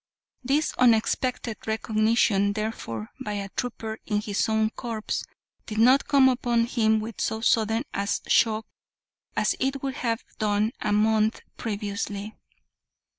This unexpected recognition, therefore, by a trooper in his own corps, did not come upon him with so sudden a shock as it would have done a month previously.